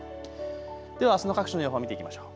ではあすの各地の予報を見ていきましょう。